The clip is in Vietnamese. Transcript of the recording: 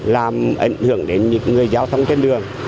làm ảnh hưởng đến những người giao thông trên đường